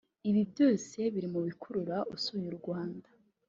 Ibyo byose biri mu bikurura usuye u Rwanda